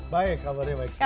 baik kabarnya baik sekali